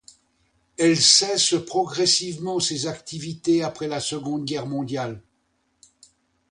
Elle cesse progressivement ses activités après la Seconde Guerre mondiale.